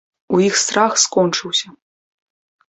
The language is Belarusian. У іх страх скончыўся.